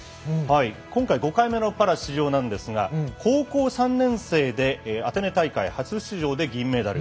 今回５回目のパラ出場なんですが高校３年生でアテネ大会、初出場で銀メダル。